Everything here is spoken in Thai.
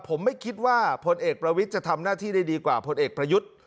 ผมไม่คิดว่าพลเอกประวิทย์จะทำหน้าที่ได้ดีกว่าผลเอกประยุทธ์